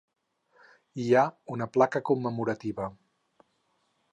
Hi ha una placa commemorativa.